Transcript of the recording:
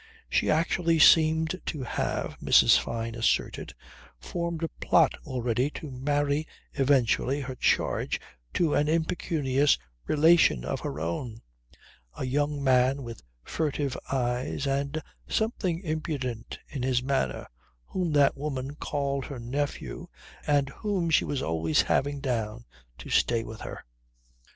She actually seemed to have Mrs. Fyne asserted formed a plot already to marry eventually her charge to an impecunious relation of her own a young man with furtive eyes and something impudent in his manner, whom that woman called her nephew, and whom she was always having down to stay with her.